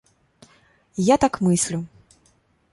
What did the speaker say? І я так мыслю.